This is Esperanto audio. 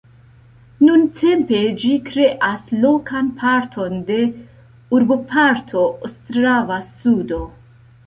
Nuntempe ĝi kreas lokan parton de urboparto Ostrava-Sudo.